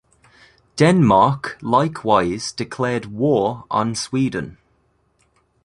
Denmark likewise declared war on Sweden.